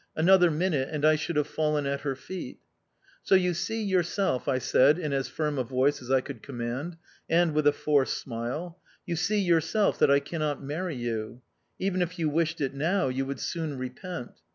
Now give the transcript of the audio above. Another minute and I should have fallen at her feet. "So you see, yourself," I said in as firm a voice as I could command, and with a forced smile, "you see, yourself, that I cannot marry you. Even if you wished it now, you would soon repent.